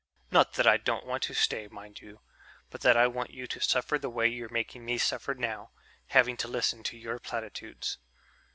Not that I don't want to stay, mind you, but that I want you to suffer the way you're making me suffer now having to listen to your platitudes."